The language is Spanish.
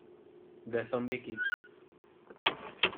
The Zombie Kids.